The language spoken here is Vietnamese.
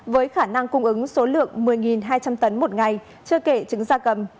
với khả năng cung ứng số lượng một mươi hai trăm linh tấn một ngày chưa kể trứng da cầm